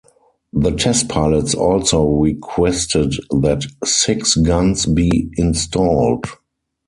The test pilots also requested that six guns be installed.